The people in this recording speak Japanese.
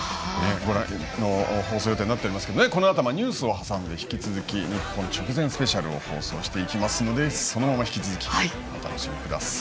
放送予定となっておりますけど、このあとニュースを挟んで引き続き日本直前スペシャルを放送していきますのでそのまま引き続きお楽しみください。